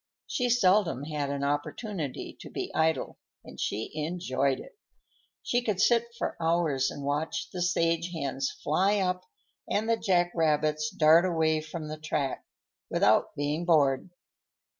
She seldom had an opportunity to be idle, and she enjoyed it. She could sit for hours and watch the sage hens fly up and the jack rabbits dart away from the track, without being bored.